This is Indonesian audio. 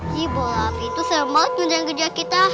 ini bola api itu seram banget menyerang geja kita